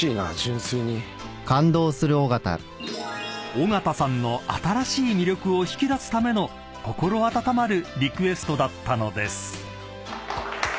［尾形さんの新しい魅力を引き出すための心温まるリクエストだったのです］